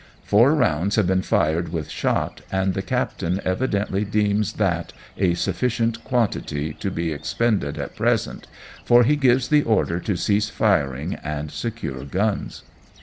Four rounds have been iired with shot, and the captain evidently deems that a sufficient quantity to be expended at present, for he gives the order to cease firing, and secure guns.